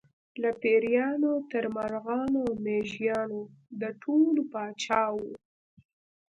له پېریانو تر مرغانو او مېږیانو د ټولو پاچا و.